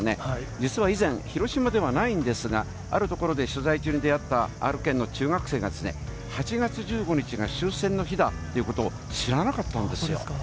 実は以前、広島ではないんですが、ある所で取材中に出会った、ある県の中学生が、８月１５日が終戦の日だということを知らなかったんですよ。